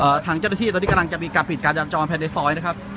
เอ่อทางเจ้าที่ตอนนี้กำลังจะมีการผิดการจอดแผ่นในซอยนะครับ